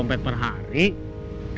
saya mau ngomong soal dik dik